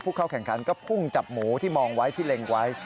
เข้าแข่งขันก็พุ่งจับหมูที่มองไว้ที่เล็งไว้